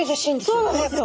そうなんですよ。